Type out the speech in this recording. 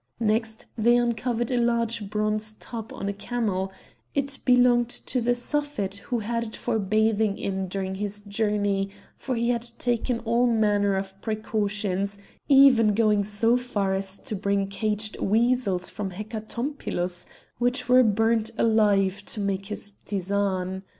Next they uncovered a large bronze tub on a camel: it belonged to the Suffet who had it for bathing in during his journey; for he had taken all manner of precautions, even going so far as to bring caged weasels from Hecatompylos, which were burnt alive to make his ptisan.